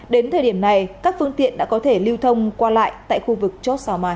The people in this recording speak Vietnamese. đến thời điểm này các phương tiện đã có thể lưu thông qua lại tại khu vực chốt sao mà